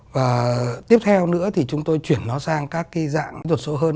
và tiếp theo nữa thì chúng tôi chuyển nó sang các cái dạng đột sâu hơn